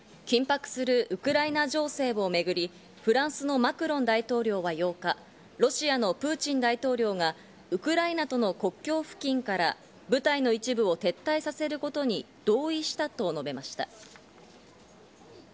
緊迫するウクライナ情勢をめぐり、フランスのマクロン大統領は８日、ロシアのプーチン大統領がウクライナとの国境付近から部隊の一部を撤退させることに合意したと述べました。